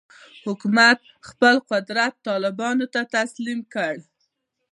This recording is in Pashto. حکومت خپل قدرت طالبانو ته تسلیم کړي.